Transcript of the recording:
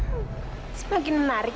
aun wright apa yang minum di sini